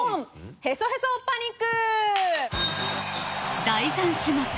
へそへそパニック」